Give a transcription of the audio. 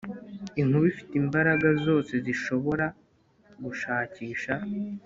inkuba ifite imbaraga zose zishobora gushakisha